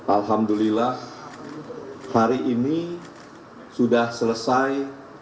alhamdulillah hari ini sudah selesai